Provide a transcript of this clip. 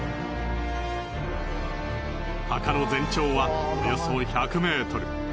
墓の全長はおよそ１００ｍ。